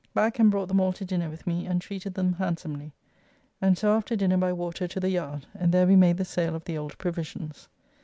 Back and brought them all to dinner with me, and treated them handsomely; and so after dinner by water to the Yard, and there we made the sale of the old provisions.